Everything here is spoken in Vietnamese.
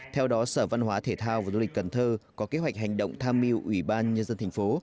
theo đó sở văn hóa thể thao và du lịch cần thơ có kế hoạch hành động tham mưu ủy ban nhân dân thành phố